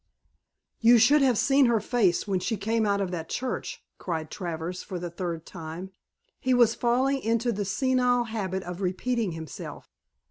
"You should have seen her face when she came out of that church," cried Travers for the third time; he was falling into the senile habit of repeating himself.